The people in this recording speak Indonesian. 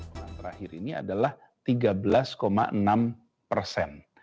bulan terakhir ini adalah tiga belas enam persen